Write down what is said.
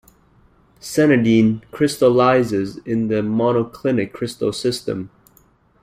Sanidine crystallizes in the monoclinic crystal system.